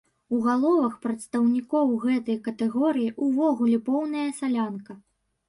У галовах прадстаўнікоў гэтай катэгорыі ўвогуле поўная салянка.